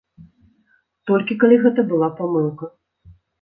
Толькі калі гэта была памылка.